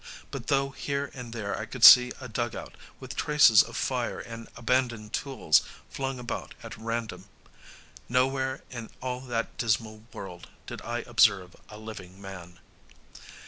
But though here and there I could see a dugout, with traces of fire and abandoned tools flung about at random, nowhere in all that dismal world did I observe a living man.